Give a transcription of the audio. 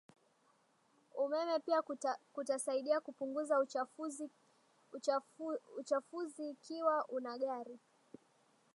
umeme pia kutasaidia kupunguza uchafuziikiwa una gari